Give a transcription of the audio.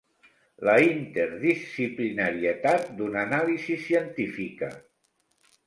La interdisciplinarietat d'una anàlisi científica.